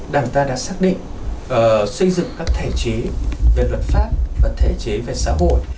đảng ta đã xác định xây dựng các thể chế về luật pháp và thể chế về xã hội